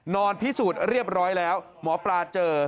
นอนพิสูจน์เรียบร้อยแล้วหมอปลาเจอ